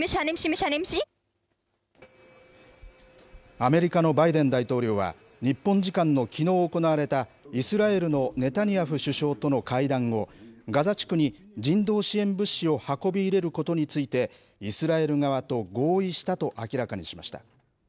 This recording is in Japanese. アメリカのバイデン大統領は日本時間のきのう行われたイスラエルのネタニヤフ首相との会談後ガザ地区に人道支援物資を運び入れることについてイスラエル側と合意したと明らかにしました。